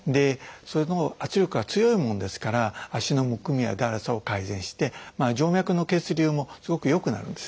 圧力が強いもんですから足のむくみやだるさを改善して静脈の血流もすごく良くなるんですね。